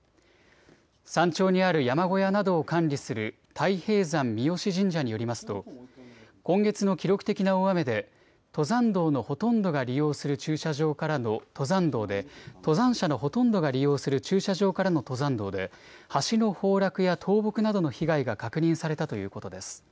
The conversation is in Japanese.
山頂にある山小屋などを管理する太平山三吉神社によりますと今月の記録的な大雨で登山道のほとんどが利用する駐車場からの登山道で登山者のほとんどが利用する駐車場からの登山道で橋の崩落や倒木などの被害が確認されたということです。